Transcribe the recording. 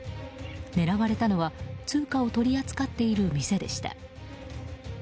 狙われたのは通貨を取り扱っている店でした。